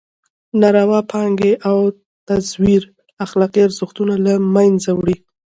ناروا پانګې او تزویر اخلاقي ارزښتونه له مېنځه وړي.